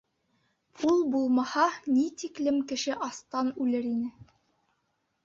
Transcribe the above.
Ул булмаһа, ни тиклем кеше астан үлер ине.